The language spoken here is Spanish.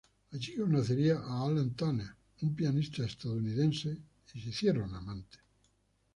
Ahí conocería a Allen Tanner, un pianista estadounidense, y se hicieron amantes.